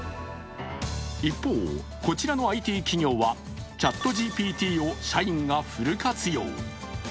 一方、こちらのＩＴ企業はＣｈａｔＧＰＴを社員がフル活用。